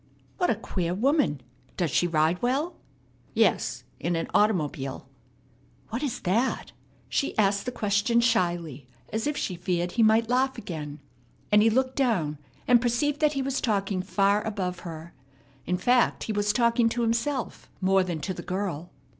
"What a queer woman! Does she ride well?" "Yes, in an automobile!" "What is that?" She asked the question shyly as if she feared he might laugh again; and he looked down, and perceived that he was talking far above her. In fact, he was talking to himself more than to the girl.